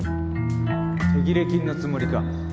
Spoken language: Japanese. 手切れ金のつもりか？